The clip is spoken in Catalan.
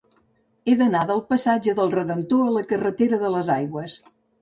He d'anar del passatge del Redemptor a la carretera de les Aigües.